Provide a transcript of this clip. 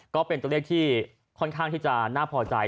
ก็เป็นตัวเลขที่ค่อนข้างที่จะน่าพอใจ